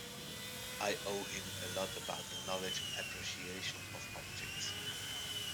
I owe him a lot about the knowledge and appreciation of objects.